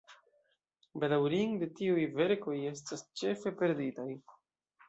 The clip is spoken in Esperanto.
Bedaŭrinde tiuj verkoj estas ĉefe perditaj.